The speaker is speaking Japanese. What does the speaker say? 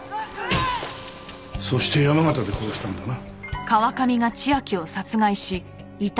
そして山形で殺したんだな。